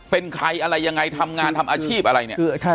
เป็นใครอะไรยังไงทำงานทำอาชีพอะไรเนี่ย